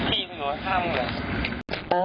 พี่มันอยู่ข้างเลย